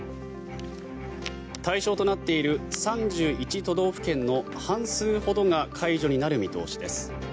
対象となっている３１都道府県の半数ほどが解除になる見通しです。